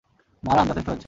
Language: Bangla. মারান, যথেষ্ট হয়েছে।